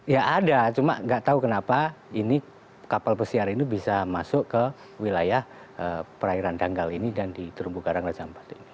ya ada cuma nggak tahu kenapa ini kapal pesiar ini bisa masuk ke wilayah perairan dangkal ini dan di terumbu karang raja empat ini